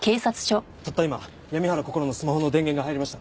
たった今闇原こころのスマホの電源が入りました。